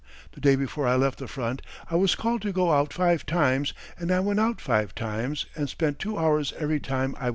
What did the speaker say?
The day before I left the front I was called to go out five times, and I went out five times, and spent two hours every time I went out.